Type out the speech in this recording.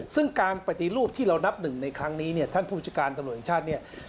ซึ่งการปฏิรูปที่เรานับหนึ่งในครั้งนี้เนี่ยท่านผู้จัดการตำรวจแห่งชาติเนี่ย